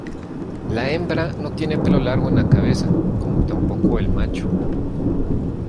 La hembra no tiene pelo largo en la cabeza, como tampoco el macho.